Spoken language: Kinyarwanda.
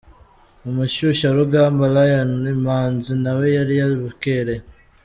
Umushyushyarugamba Lion Imanzi nawe yari yabukereye.